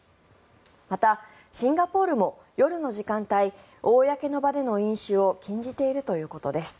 また、シンガポールも夜の時間帯、公の場での飲酒を禁じているということです。